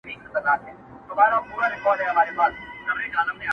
تش یو پوست وو پر هډوکو غوړېدلی،